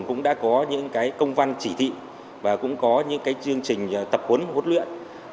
cũng đã có những công văn chỉ thị và cũng có những chương trình tập huấn huấn luyện